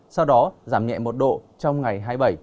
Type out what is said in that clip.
sau đó giảm nhẹ một độ trong ngày hai mươi bảy